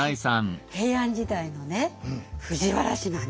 平安時代のね藤原氏なんです。